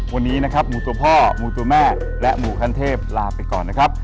วันนี้นะครับหมูตัวพ่อหมูตัวแม่และหมู่ขั้นเทพลาไปก่อนนะครับ